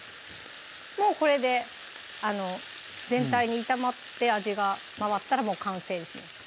もうこれで全体に炒まって味が回ったら完成ですね